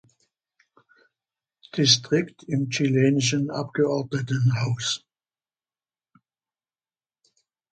Distrikt im chilenischen Abgeordnetenhaus.